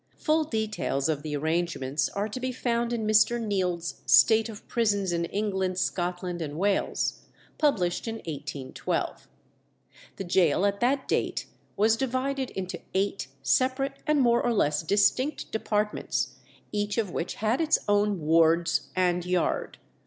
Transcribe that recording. Full details of the arrangements are to be found in Mr. Neild's 'State of Prisons in England, Scotland, and Wales,' published in 1812. The gaol at that date was divided into eight separate and more or less distinct departments, each of which had its own wards and yard.